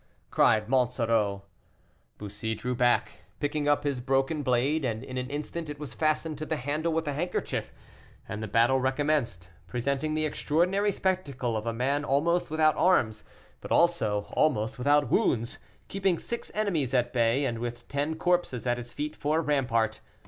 cried Monsoreau. Bussy drew back, picking up his broken blade, and in an instant it was fastened to the handle with a handkerchief; and the battle recommenced, presenting the extraordinary spectacle of a man almost without arms, but also almost without wounds, keeping six enemies at bay, and with ten corpses at his feet for a rampart.